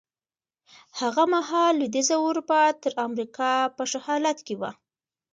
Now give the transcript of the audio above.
هغه مهال لوېدیځه اروپا تر امریکا په ښه حالت کې وه.